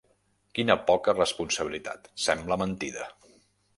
Quina poca responsabilitat: sembla mentida!